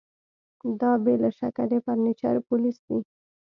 دا بې له شکه د فرنیچر پولیس دي